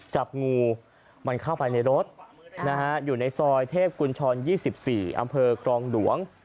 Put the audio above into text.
จับงูมันเข้าไปในรถอยู่ในซอยเทพกุญชร๒๔อำเภอครองหลวง